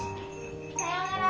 さようなら。